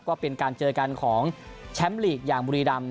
ก็เป็นการเจอกันของแชมป์ลีกอย่างบุรีรำ